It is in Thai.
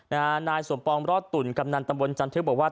นะฮะนายสมปองม์รอดตุ๋นกำญัตนันตำวนสมนตรีบอกว่า